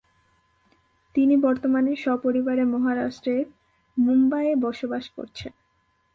তিনি বর্তমানে স্বপরিবারে মহারাষ্ট্রের মুম্বাইয়ে বসবাস করছেন।